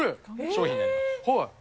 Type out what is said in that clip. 商品になります。